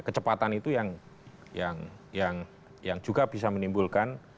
kecepatan itu yang juga bisa menimbulkan